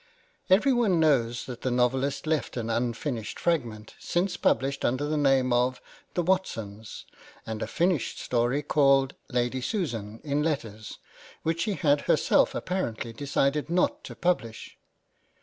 Everyone knows that the novelist left an unfinished fragment, since published under the name of" The Watsons," and a finished story called " Lady Susan," in letters, which she had herself apparently decided not to publish.